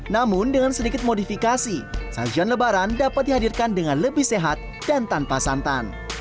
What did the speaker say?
namun dengan sedikit modifikasi sajian lebaran dapat dihadirkan dengan lebih sehat dan tanpa santan